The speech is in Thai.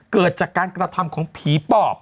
เกิดจากการกระทำของผีปอบ